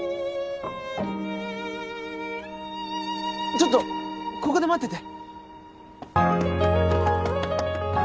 ちょっとここで待ってて。